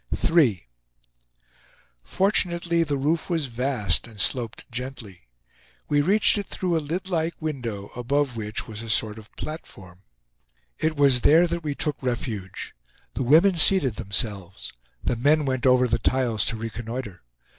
III. Fortunately, the roof was vast and sloped gently. We reached it through a lid like window, above which was a sort of platform. It was there that we took refuge. The women seated themselves. The men went over the tiles to reconnoitre.